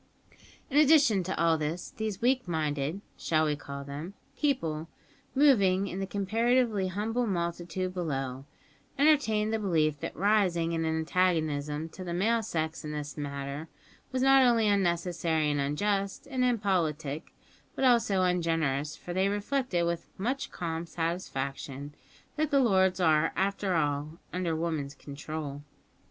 In addition to all this, these weak minded (shall we call them?) people, moving in the comparatively humble multitude below, entertained the belief that rising in antagonism to the male sex in this matter was not only unnecessary and unjust and impolitic, but also ungenerous, for they reflected with much calm satisfaction that the "lords" are, after all, "under woman's control."